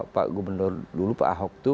pak gubernur dulu pak ahok itu